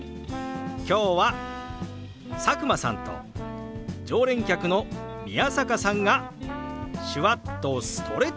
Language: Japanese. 今日は佐久間さんと常連客の宮坂さんが手話っとストレッチ。